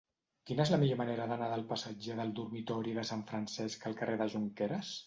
Quina és la millor manera d'anar del passatge del Dormitori de Sant Francesc al carrer de Jonqueres?